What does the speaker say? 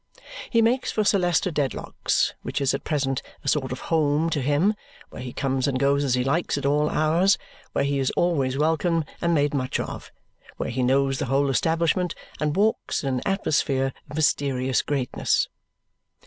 He makes for Sir Leicester Dedlock's, which is at present a sort of home to him, where he comes and goes as he likes at all hours, where he is always welcome and made much of, where he knows the whole establishment, and walks in an atmosphere of mysterious greatness.